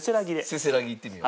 せせらぎいってみよう。